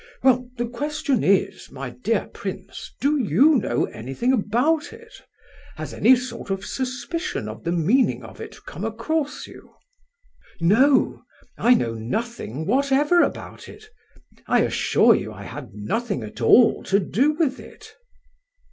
Well, the question is, my dear prince, do you know anything about it? Has any sort of suspicion of the meaning of it come across you?" "No, I know nothing whatever about it. I assure you I had nothing at all to do with it."